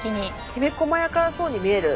きめこまやかそうに見える。